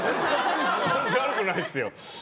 悪くないですよ。